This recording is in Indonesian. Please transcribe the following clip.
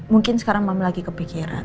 mungkin sekarang mama lagi kepikiran